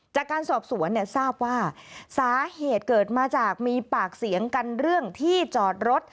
จากการสอบสวนเนี่ยทราบว่าสาเหตุเกิดมาจากมีปากเสียงกันเรื่องที่จอดรถ